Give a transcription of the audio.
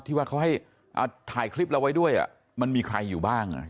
ที่ว่าเขาให้ถ่ายคลิปเราไว้ด้วยมันมีใครอยู่บ้าง